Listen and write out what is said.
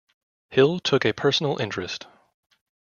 'Hill took a personal interest.